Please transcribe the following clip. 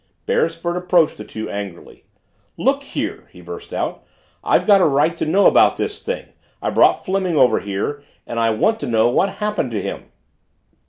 Beresford approached the two angrily. "Look here!" he burst out, "I've got a right to know about this thing. I brought Fleming over here and I want to know what happened to him!"